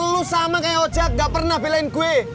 lu sama kaya ojek ga pernah belain gue